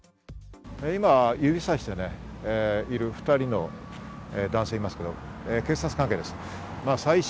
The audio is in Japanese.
今、指さしている２人の男性がいますけど、警察関係です。